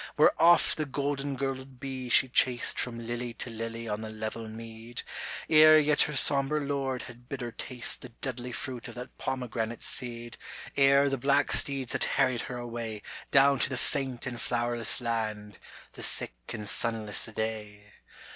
Where oft the golden girdled bee she chased From lily to lily on the level mead, Ere yet her sombre Lord had bid her taste The deadly fruit of that pomegranate seed, Ere the black steeds had harried her away Down to the faint and flowerless land, the sick and sunless day.